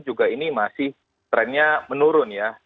juga ini masih trennya menurun ya